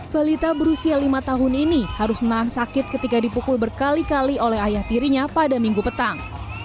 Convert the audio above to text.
balita berusia lima tahun ini harus menahan sakit ketika dipukul berkali kali oleh ayah tirinya pada minggu petang